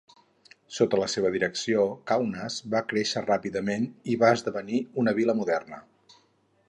Sota la seva direcció Kaunas va créixer ràpidament i va esdevenir una vila moderna.